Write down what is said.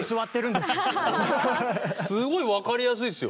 すごい分かりやすいですよ。